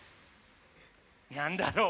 何だろう？